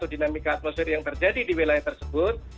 dikadmosfer yang terjadi di wilayah tersebut